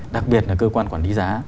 đặc biệt là cơ quan quản lý giá